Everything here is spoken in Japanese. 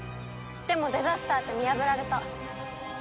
でもデザスターって見破られた。